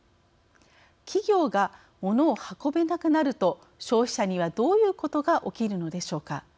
企業がモノを運べなくなると消費者には、どういうことが起きるのでしょうか。